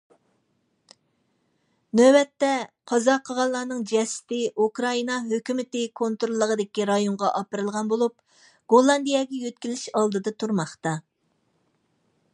نۆۋەتتە قازا قىلغانلارنىڭ جەسىتى ئۇكرائىنا ھۆكۈمىتى كونتروللۇقىدىكى رايونغا ئاپىرىلغان بولۇپ، گوللاندىيەگە يۆتكىلىش ئالدىدا تۇرماقتا.